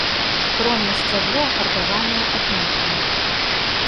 Крона і сцябло афарбаваныя аднолькава.